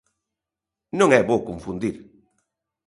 Non é bo confundir.